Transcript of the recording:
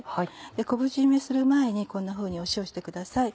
昆布じめする前にこんなふうに塩してください。